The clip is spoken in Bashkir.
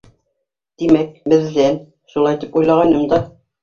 — Тимәк, беҙҙән, шулай тип уйлағайным да.